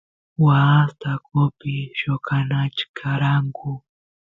waas taqopi lloqanachkaranku